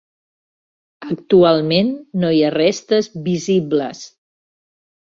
Actualment no hi ha restes visibles.